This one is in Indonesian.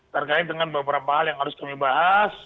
terkait dengan beberapa hal yang harus kami bahas